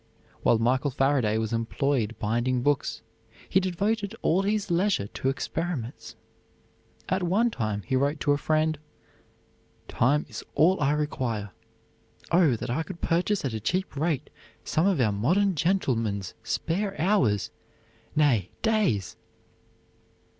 While Michael Faraday was employed binding books, he devoted all his leisure to experiments. At one time he wrote to a friend, "Time is all I require. Oh, that I could purchase at a cheap rate some of our modern gentlemen's spare hours nay, days."